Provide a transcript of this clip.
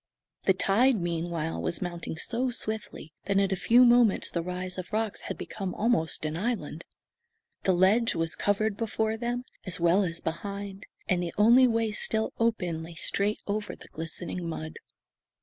The tide, meanwhile, was mounting so swiftly that in a few moments the rise of rocks had become almost an island. The ledge was covered before them as well as behind, and the only way still open lay straight over the glistening mud.